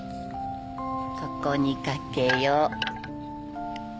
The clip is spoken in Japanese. ここに掛けよう。